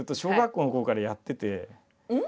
うん？